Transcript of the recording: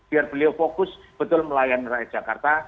biar beliau fokus betul melayani rakyat jakarta